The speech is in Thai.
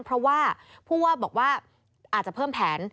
เพราะว่าผู้ว่าบอกว่าอาจจะเพิ่มแผน